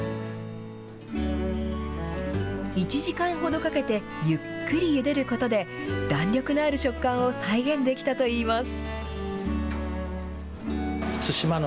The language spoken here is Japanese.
１時間ほどかけてゆっくりゆでることで、弾力のある食感を再現できたといいます。